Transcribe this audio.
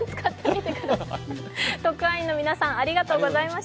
特派員の皆さん、ありがとうございました。